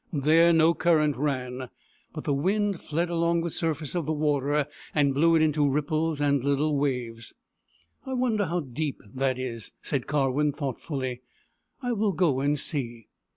There, no current ran ; but the wind fled along the surface of the water and blew it into ripples and little waves. " I wonder how deep that is," said Karwin thoughtfully. " I will go and see."